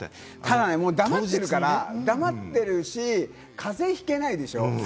でも黙ってるから、風邪ひけないでしょ。